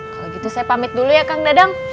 kalau gitu saya pamit dulu ya kang dadang